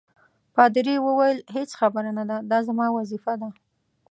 پادري وویل: هیڅ خبره نه ده، دا زما وظیفه ده.